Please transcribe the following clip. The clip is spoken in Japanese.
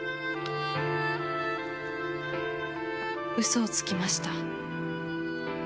嘘をつきました。